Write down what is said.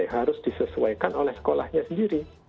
harus disesuaikan oleh sekolahnya sendiri